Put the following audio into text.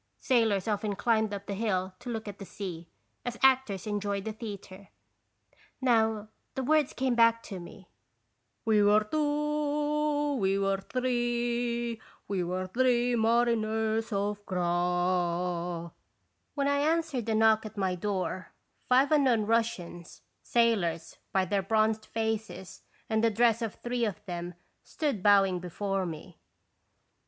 Sailors often climbed up the hill to look at the sea, as actors enjoy the theatre. Now, the words came back to me : "We were two, we were three, We were three mariners Of Groix." When I answered a knock at my door five unknown Russians, sailors, by their bronzed faces and the dress of three of them, stood bowing before me.